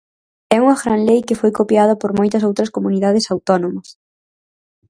É unha gran lei que foi copiada por moitas outras comunidades autónomas.